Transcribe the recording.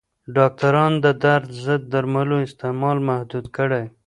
ډاکټران د درد ضد درملو استعمال محدود کړی.